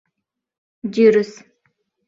Дӱрыс...